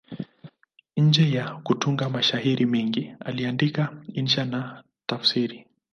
Nje ya kutunga mashairi mengi, aliandika pia insha na kutafsiri.